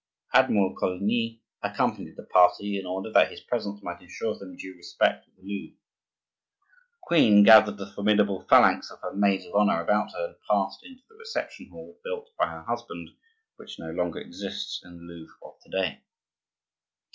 Admiral Coligny accompanied the party in order that his presence might ensure them due respect at the Louvre. The queen gathered the formidable phalanx of her maids of honor about her, and passed into the reception hall, built by her husband, which no longer exists in the Louvre of to day.